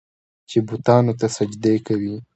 چې بوتانو ته سجدې کوي.